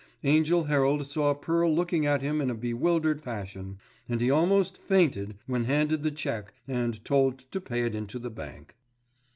Angell Herald saw Pearl looking at him in a bewildered fashion, and he almost fainted when handed the cheque and told to pay it into the bank.